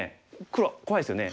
黒怖いですよね。